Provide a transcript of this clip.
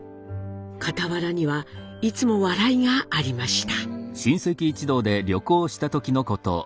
傍らにはいつも笑いがありました。